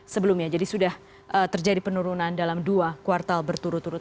sebelumnya jadi sudah terjadi penurunan dalam dua kuartal berturut turut